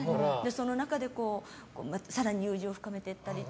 その中で、更に友情を深めていったり。